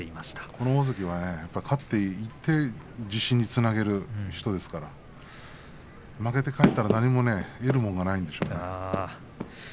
この大関は勝っていって自信につなげる人ですから負けて帰ったら何も得るものがないでしょうね。